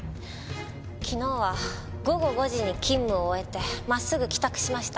昨日は午後５時に勤務を終えて真っすぐ帰宅しました。